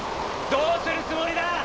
どうするつもりだ？